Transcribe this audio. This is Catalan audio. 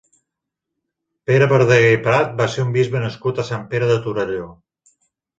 Pere Verdaguer i Prat va ser un bisbe nascut a Sant Pere de Torelló.